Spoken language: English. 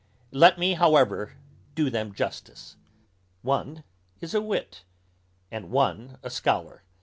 _ Let me however do them justice. One is a wit, and one a scholar.